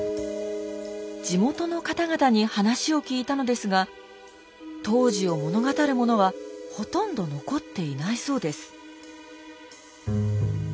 地元の方々に話を聞いたのですが当時を物語るものはほとんど残っていないそうです。